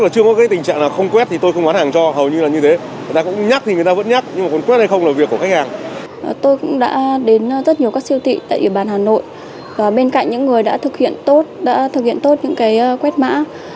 thực hiện tốt đã thực hiện tốt những cái quét mã